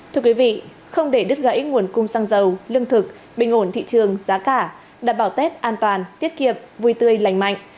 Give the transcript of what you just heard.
thưa quý vị không để đứt gãy nguồn cung xăng dầu lương thực bình ổn thị trường giá cả đảm bảo tết an toàn tiết kiệm vui tươi lành mạnh